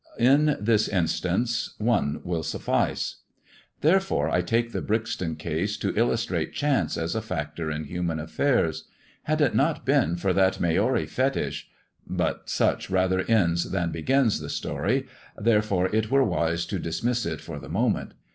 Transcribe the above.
In this instance, one will suffice. There take the Brixton case to illustrate Chance as a factor lan affairs. Had it not been for that Maori fetish — ch rather ends than begins the story, therefore it ise to dismiss it for the moment.